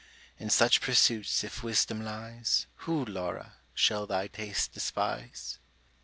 In such pursuits if wisdom lies, Who, Laura, shall thy taste despise?